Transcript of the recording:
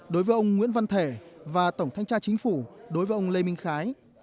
đối với ông nguyễn văn thể và tổng thanh tra chính phủ đối với ông lê minh khái